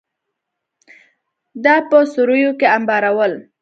دا په سوریو کې انبارول.